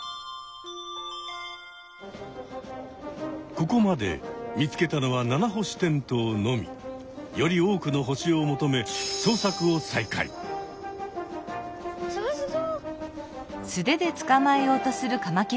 ここまで見つけたのはナナホシテントウのみ。より多くの星を求め探すぞ。